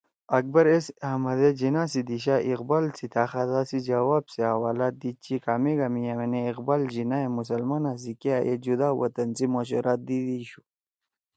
اکبر ایس احمد ئے جناح سی دیِشا اقبال سی تھأ خطَا سی جواب سی حوالہ دیِدچی کامیگا می یأمینے اقبال جناح ئے مسلمانا سی کیا اے جُدا وطن سی مشورہ دیِدی شُو